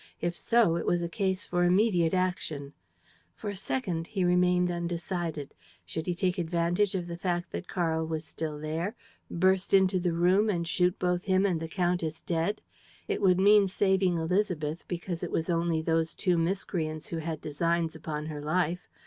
If so, it was a case for immediate action. For a second he remained undecided. Should he take advantage of the fact that Karl was still there, burst into the room and shoot both him and the countess dead? It would mean saving Élisabeth, because it was only those two miscreants who had designs upon her life.